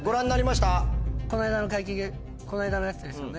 この間のこの間のやつですよね。